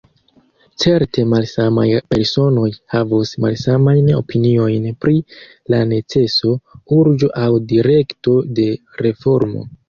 Certe malsamaj personoj havos malsamajn opiniojn pri la neceso, urĝo aŭ direkto de reformo.